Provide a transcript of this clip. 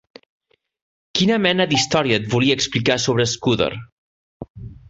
Quina mena d'història et volia explicar sobre Scudder?